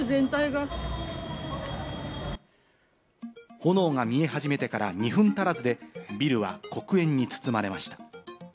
炎が見え始めてから２分足らずでビルは黒煙に包まれました。